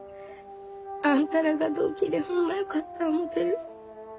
あんたらが同期でホンマよかった思うてる。